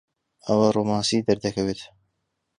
ئەوە ڕۆمانسی دەردەکەوێت؟